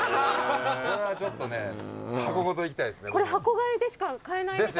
これはちょっとね箱ごといきたいですね。